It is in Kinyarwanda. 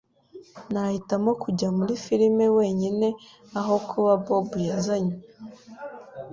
Nahitamo kujya muri firime wenyine aho kuba Bob yazanye.